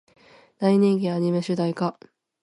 大人気アニメ主題歌